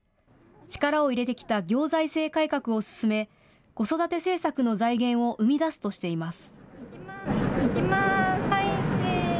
力を入れてきた行財政改革を進め、子育て政策の財源を生み出すとしています。